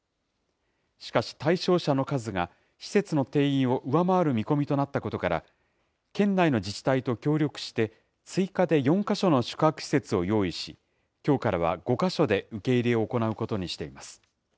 しかし、対象者の数が施設の定員を上回る見込みとなったことから、県内の自治体と協力して、追加で４か所の宿泊施設を用意し、きょうからは５か所で受け入れを行うことにしています。